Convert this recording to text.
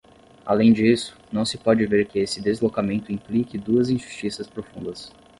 Além disso, não se pode ver que esse deslocamento implique duas injustiças profundas.